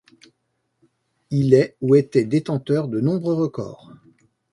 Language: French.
Il est ou était détenteur de nombreux records.